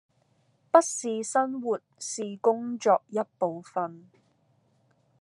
不是生活是工作一部分